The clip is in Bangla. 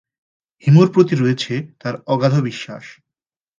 হিমুর প্রতি রয়েছে তার অগাধ বিশ্বাস।